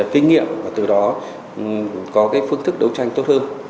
kinh nghiệm và từ đó có cái phương thức đấu tranh tốt hơn